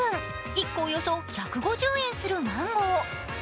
１個およそ１５０円するマンゴー。